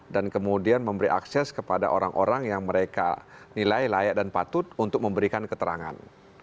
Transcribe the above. dan kemudian memberi akses kepada orang orang yang mereka nilai layak dan patut untuk memberikan keterangan